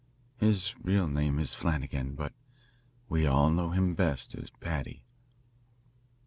His real name is Flanagan, but we all know him best as Paddy."